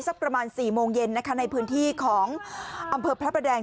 วันนี้สักประมาณ๔โมงเย็นในพื้นที่ของอำเภอพระแดง